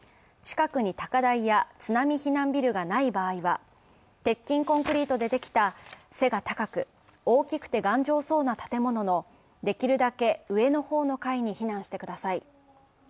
近くに高台や津波避難ビルがない場合は、鉄筋コンクリートでできた背が高く大きくて頑丈そうな建物のできるだけ上の方の階に避難してください。